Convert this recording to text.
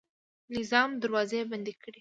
نظام دروازې بندې کړې.